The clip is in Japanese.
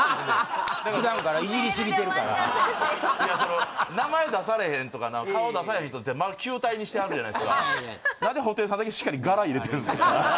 普段からイジりすぎてるからいやその名前出されへんとか顔出されへん人って球体にしてはるじゃないすか何で布袋さんだけしっかり柄入れてるんすか？